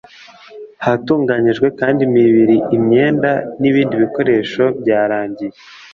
Hatunganijwe kandi imibiri imyenda n’ibindi bikoresho byarangiye